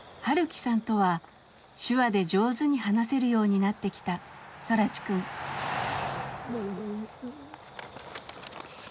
晴樹さんとは手話で上手に話せるようになってきた空知くん。